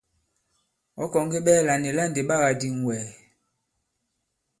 Ɔ̌ kɔ̀ŋge ɓɛɛlà nì la ndì ɓa kà-dìŋ wɛ̀?